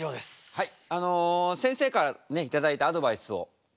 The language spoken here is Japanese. はい。